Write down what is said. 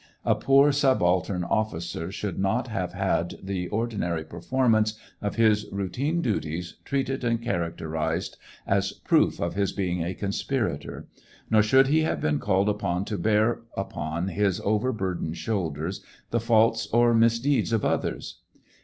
A poor subaltern officer should not have had the ordinary performance of his routine duties treated and characterized as proof of his being a conspirator ; nor should he have been called upon to bear upon his over burdened shoulders the faults or misdeeds of others.